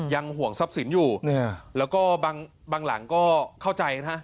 ห่วงทรัพย์สินอยู่แล้วก็บางหลังก็เข้าใจนะฮะ